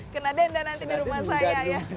karena ada nanti di rumah saya ya